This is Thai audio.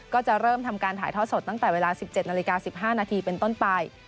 ก็จะเริ่มทำการถ่ายทอดสดตั้งแต่เวลา๑๗นาฬิกา๑๕นาทีเป็นต้นไป